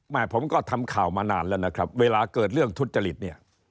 ผมก็ทำข่าวมานานแล้วนะครับเวลาเกิดเรื่องทุจริตเนี่ย